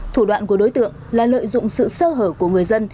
thủ đoạn của đối tượng là lợi dụng sự sơ hở của người dân